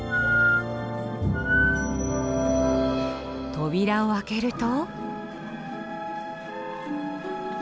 扉を開けると。